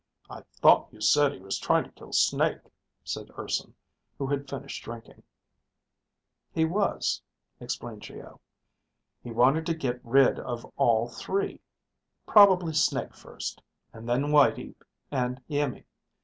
"I thought you said he was trying to kill Snake," said Urson, who had finished drinking. "He was," explained Geo. "He wanted to get rid of all three. Probably Snake first, and then Whitey and Iimmi.